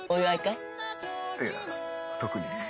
いや特に。